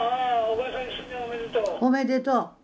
おめでとう。